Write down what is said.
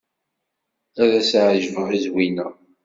Ad as-ɛejbeɣ i Zwina.